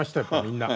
みんな。